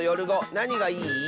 なにがいい？